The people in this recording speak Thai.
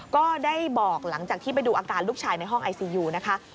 ก็ได้บอกหลังจากที่ไปดูอาการลูกชายในห้องไอซียูนะคะ